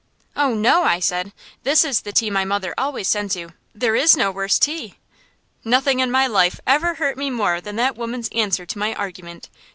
"Oh, no," I said; "this is the tea my mother always sends you. There is no worse tea." Nothing in my life ever hurt me more than that woman's answer to my argument.